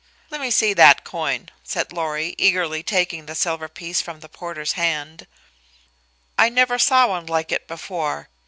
"Let me see that coin," said Lorry, eagerly taking the silver piece from the porter's hand. "I never saw one like it before.